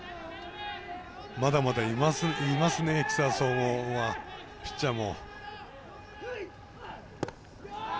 まだまだいますね、木更津総合はピッチャーも。